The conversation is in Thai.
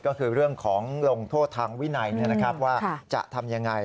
ก็คือเรื่องของลงโทษทางวินัยว่าจะทำยังไง